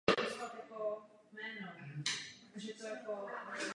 Účastníci jsou z odlišných ekonomických vrstev a politických pozadí.